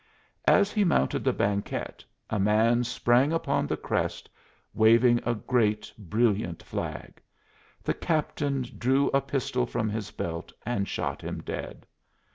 As he mounted the banquette a man sprang upon the crest, waving a great brilliant flag. The captain drew a pistol from his belt and shot him dead.